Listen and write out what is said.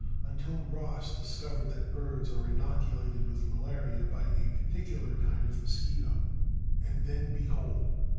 Until Ross discovered that birds are inoculated with malaria by a particular kind of mosquito. And then, behold!